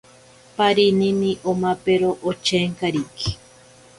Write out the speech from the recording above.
Parinini omapero ochenkariki.